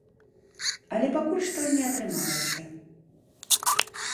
Але пакуль што не атрымалася.